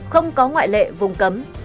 không có ngoại lệ vùng cấm